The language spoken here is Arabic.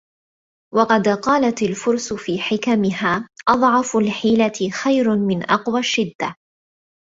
وَقَدْ قَالَتْ الْفُرْسُ فِي حِكَمِهَا أَضْعَفُ الْحِيلَةِ خَيْرٌ مِنْ أَقْوَى الشِّدَّةِ